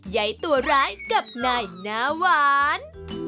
เย้ตัวร้ายกับนายน้าหวาน